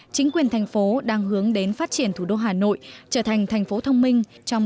chính quyền thành phố đang hướng đến phát triển thủ đô hà nội trở thành thành phố thông minh trong